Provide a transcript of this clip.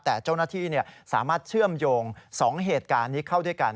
แต่เจ้าหน้าที่สามารถเชื่อมโยง๒เหตุการณ์นี้เข้าด้วยกัน